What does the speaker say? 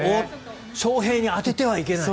翔平に当ててはいけない。